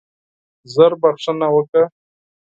ژر بخښنه وکړه.